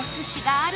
ある！？